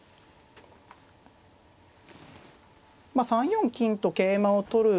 ３四金と桂馬を取る。